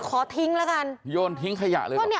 ขอทิ้งละกัน